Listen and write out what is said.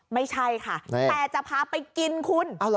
ไม่ใช่ค่ะแต่จะพาไปกินคุณ